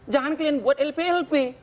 jangan kalian buat lp lp